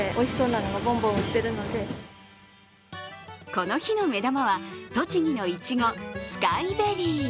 この日の目玉は栃木のいちごスカイベリー。